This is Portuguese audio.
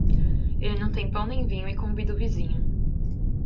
Ele não tem pão nem vinho e convida o vizinho.